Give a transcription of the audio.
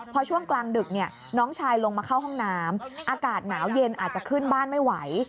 พอช่วงกลางดึกน้องชายลงมาเข้าห้องน้ำอากาศหนาวเย็นอาจจะขึ้นบ้านไม่ไหว